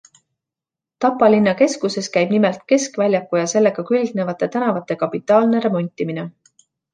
Tapa linna keskuses käib nimelt keskväljaku ja sellega külgnevate tänavate kapitaalne remontimine.